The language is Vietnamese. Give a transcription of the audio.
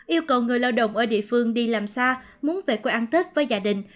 yêu cầu người lao động ở địa phương đi làm xa muốn về quê ăn tết với gia đình